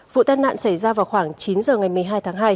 vụ tai nạn xảy ra vào khoảng chín giờ ngày một mươi hai tháng hai